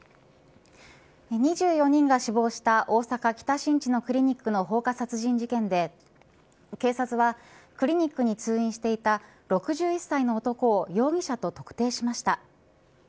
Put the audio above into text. ２４人が死亡した大阪、北新地のクリニックの放火殺人事件で警察はクリニックに通院していた６１歳の男を容疑者と特定しました。